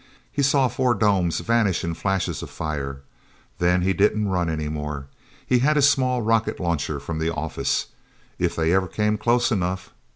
He saw four domes vanish in flashes of fire. Then he didn't run anymore. He had his small rocket launcher, from the office. If they ever came close enough...